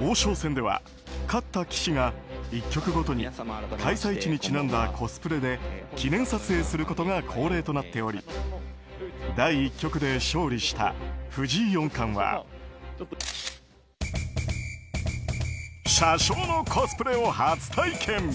王将戦では勝った棋士が１局ごとに開催地にちなんだコスプレで記念撮影することが恒例となっており第１局で勝利した藤井四冠は車掌のコスプレを初体験。